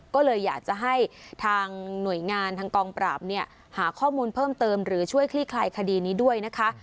ก็เลยอยากจะให้ทางหน่วยงานทางกองปราบเนี่ยหาข้อมูลเพิ่มเติมหรือช่วยคลี่คลายคดีนี้ด้วยนะคะ